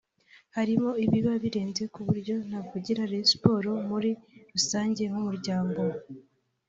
Harimo ibiba birenze ku buryo ntavugira Rayon Sports muri rusange nk’umuryango